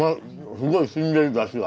すごいしみてるだしが。